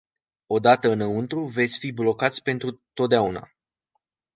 Odată înăuntru, veți fi blocați pentru totdeauna.